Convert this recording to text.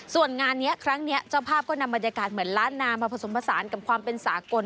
ส่วนงานนี้ครั้งนี้เจ้าภาพก็นำบรรยากาศเหมือนล้านนามาผสมผสานกับความเป็นสากล